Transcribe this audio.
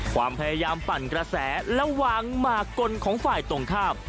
ความพยายามปั่นกระแสและวางหมากกลของฝ่ายตรงข้าม